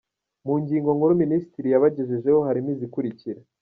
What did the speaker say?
Mu ngingo nkuru Minisitiri yabagejejeho harimo izikurikira :.